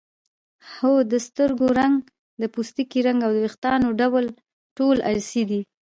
هو د سترګو رنګ د پوستکي رنګ او د وېښتانو ډول ټول ارثي دي